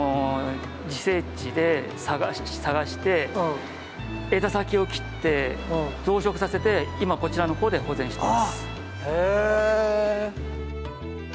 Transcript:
自生地で探して枝先を切って増殖させて今こちらの方で保全しています。